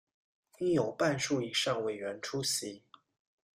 应有半数以上委员出席